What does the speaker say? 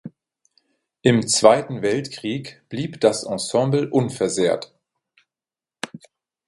Im Zweiten Weltkrieg blieb das Ensemble unversehrt.